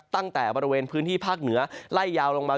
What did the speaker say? ตั้งแต่บริเวณพื้นที่ภาคเหนือไล่ยาวลงมา